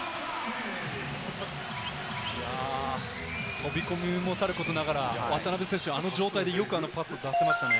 飛び込みもさることながら、渡邊選手、あの状態でよくあのパスを出せましたね。